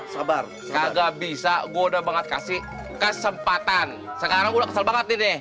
sabar sabar bisa gua udah banget kasih kesempatan sekarang udah kesal banget nih